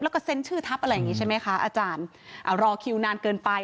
แล้วก็เซ็นชื่อทัพอะไรอย่างนี้ใช่ไหมคะอาจารย์รอคิวนานเกินไป